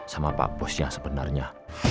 sama pak bos yang sebenarnya